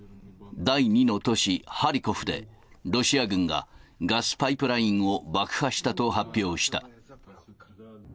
第２の都市、ハリコフで、ロシア軍がガスパイプラインを爆破したと発表した。